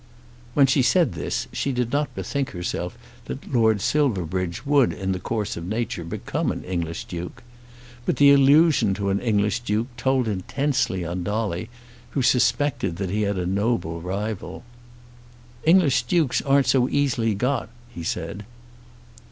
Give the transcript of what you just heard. When she said this she did not bethink herself that Lord Silverbridge would in the course of nature become an English Duke. But the allusion to an English Duke told intensely on Dolly, who had suspected that he had a noble rival. "English Dukes aren't so easily got," he said.